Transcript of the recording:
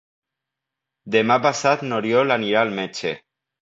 Demà passat n'Oriol anirà al metge.